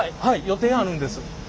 予定あるんです。